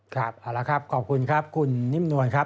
ครับเอาละครับขอบคุณครับคุณนิ่มนวลครับ